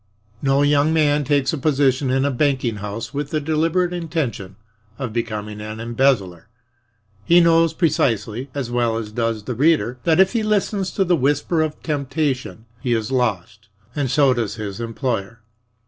No young man takes a position in a banking house with the deliberate intention of becoming an embezzler. He knows precisely, as well as does the reader, that if he listens to the whisper of temptation he is lost and so does his employer.